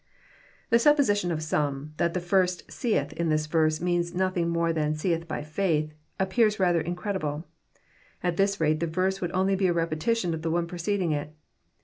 The supposition of some, that the first seeth" in this verse means nothing more than " seeth by faith," appears rather in credible. At this rate the verse would be only a repetition of the one preceding it.